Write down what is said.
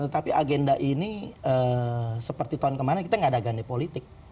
tetapi agenda ini seperti tahun kemarin kita tidak ada gane politik